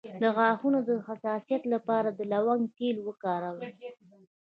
د غاښونو د حساسیت لپاره د لونګ تېل وکاروئ